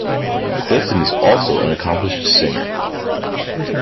Clifton is also an accomplished singer.